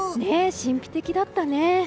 神秘的だったね。